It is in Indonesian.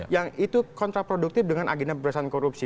yang itu kontraproduktif dengan agenda pemberantasan korupsi